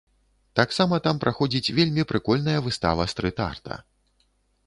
Таксама там праходзіць вельмі прыкольная выстава стрыт-арта.